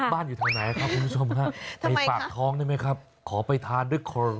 บ้านอยู่ทางไหนครับคุณผู้ชมให้ปากท้องได้มั้ยครับขอไปทานด้วยครับ